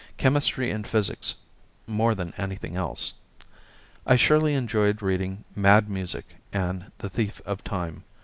Chemistry and physics more than anything else. I surely enjoyed reading "Mad Music" and "The Thief of Time."